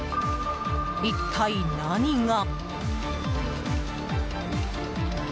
一体、何が？